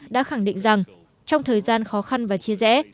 đã khẳng định rằng trong thời gian khó khăn và chia rẽ